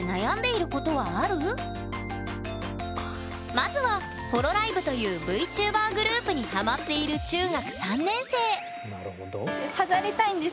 まずはホロライブというＶＴｕｂｅｒグループにハマっている中学３年生なるほど。